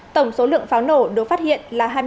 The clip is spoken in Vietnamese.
tổng số lượng pháo nổ được phát hiện là hai mươi tám